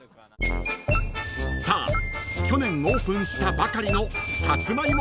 ［さあ去年オープンしたばかりのサツマイモ